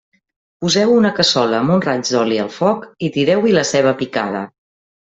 Poseu una cassola amb un raig d'oli al foc i tireu-hi la ceba picada.